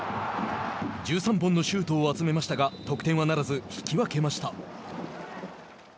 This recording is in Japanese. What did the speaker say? １３本のシュートを集めましたが得点はならず引き分けました。